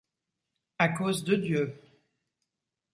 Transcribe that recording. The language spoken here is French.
À cause de Dieu.